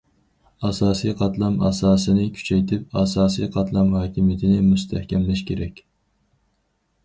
ئاساسىي قاتلام ئاساسىنى كۈچەيتىپ، ئاساسىي قاتلام ھاكىمىيىتىنى مۇستەھكەملەش كېرەك.